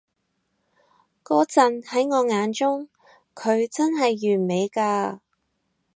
嗰陣喺我眼中，佢真係完美㗎